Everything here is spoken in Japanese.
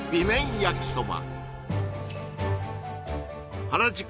焼きそば